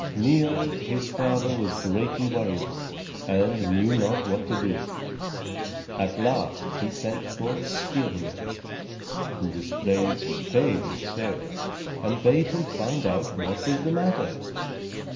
Niörd his father was greatly worried, and knew not what to do; at last he sent for Skirnir, who was Frey's favorite servant, and bade him find out what was the matter.